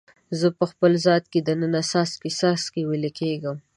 زه په خپل ذات کې د ننه څاڅکي، څاڅکي ویلي کیږم